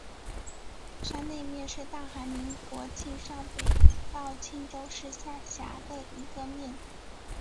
山内面是大韩民国庆尚北道庆州市下辖的一个面。